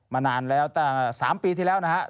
มานานแล้วแต่๓ปีที่แล้วนะครับ